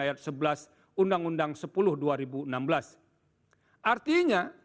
ama ada pengasasannya dalam ke outreach nya